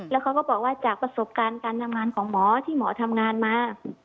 แล้วเขาก็บอกว่าจากประสบการณ์การทำงานของหมอที่หมอทำงานมา